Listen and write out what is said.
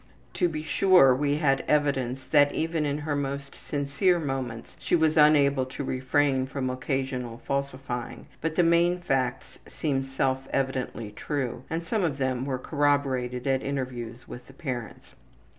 To be sure we had evidence that even in her most sincere moments she was unable to refrain from occasional falsifying, but the main facts seemed self evidently true, and some of them were corroborated at interviews with the parents.